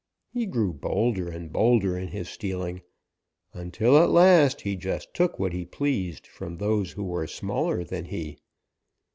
He grew bolder and bolder in his stealing, until at last he just took what he pleased from those who were smaller than he.